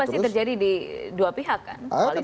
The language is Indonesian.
dan itu pasti terjadi di dua pihak kan